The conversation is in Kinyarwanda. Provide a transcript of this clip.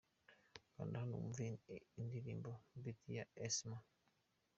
Kanda hano wumve indirimbo’Betty ya EeSam .